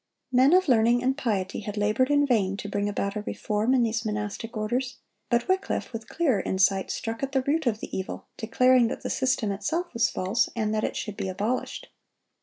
Men of learning and piety had labored in vain to bring about a reform in these monastic orders; but Wycliffe, with clearer insight, struck at the root of the evil, declaring that the system itself was false, and that it should be abolished.